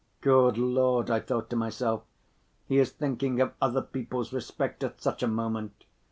"Good Lord!" I thought to myself, "he is thinking of other people's respect at such a moment!"